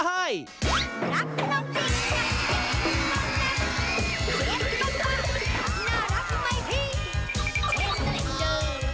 รับน้องจริงจะ